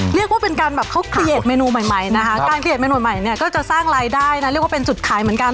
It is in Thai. เรียกว่าเป็นการแบบเขาเกลียดเมนูใหม่ใหม่นะคะการเกลียดเมนูใหม่เนี่ยก็จะสร้างรายได้นะเรียกว่าเป็นจุดขายเหมือนกัน